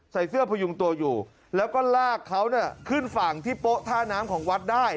ใส่เสื้อพยุงตัวอยู่แล้วก็ลากเขาขึ้นฝั่งที่โป๊ท่าน้ำของวัดได้